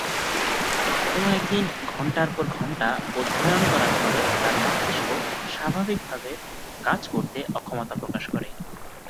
কোন একদিন ঘণ্টার পর ঘণ্টা অধ্যয়ন করার ফলে তার মস্তিষ্ক স্বাভাবিকভাবে কাজ করতে অক্ষমতা প্রকাশ করে।